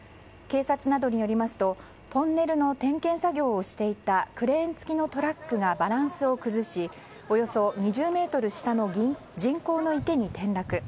警察などによりますとトンネルの点検作業をしていたクレーン付きのトラックがバランスを崩しおよそ２０ｍ下の人口の池に転落。